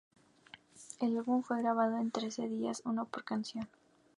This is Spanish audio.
El álbum fue grabado en trece días, uno por canción.